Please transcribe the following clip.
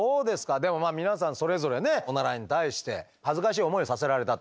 でもまあ皆さんそれぞれねオナラに対して恥ずかしい思いをさせられたと。